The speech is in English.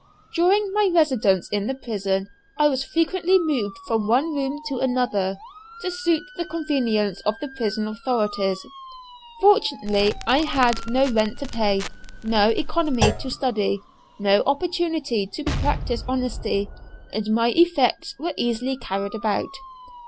During my residence in the prison I was frequently removed from one room to another, to suit the convenience of the prison authorities. Fortunately I had no rent to pay, no economy to study, no opportunity to practice honesty, and my effects were easily carried about.